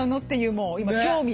もう今興味。